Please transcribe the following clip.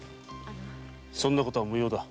そんな事は無用だ。